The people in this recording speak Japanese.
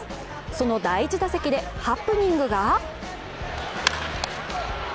その第１打席でハプニングが？